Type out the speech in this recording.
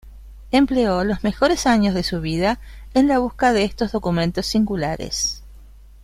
Empleó los mejores años de su vida en la busca de estos documentos singulares.